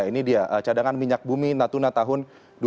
ini dia cadangan minyak bumi natuna tahun dua ribu dua